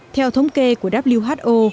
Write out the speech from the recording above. theo thống kê của who